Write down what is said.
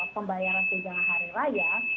pembayaran kejayaan hari raya